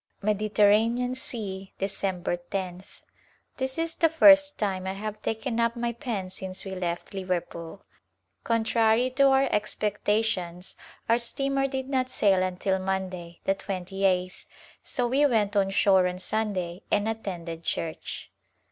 Mediterranean Sea^ Dec. loth. This is the first time I have taken up my pen since we left Liverpool. Contrary to our expectations our steamer did not sail until Monday, the twenty eighth, so we went on shore on Sunday and attended church.